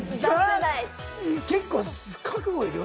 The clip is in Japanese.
結構覚悟いるよ！